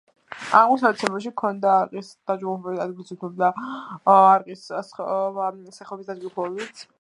აღმოსავლეთ ციმბირში ქონდარა არყის დაჯგუფებები ადგილს უთმობს არყის სხვა სახეობის დაჯგუფებებს.